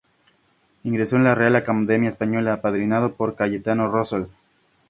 Ingresó en la Real Academia Española apadrinado por Cayetano Rosell.